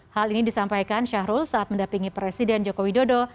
hal ini disampaikan syahrul saat mendapingi presiden joko widodo